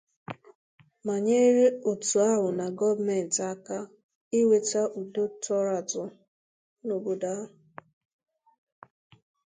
ma nyere òtù ahụ na gọọmenti aka iwetà udo tọrọ àtọ n'obodo ahụ